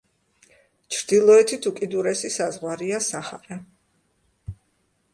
ჩრდილოეთით უკიდურესი საზღვარია საჰარა.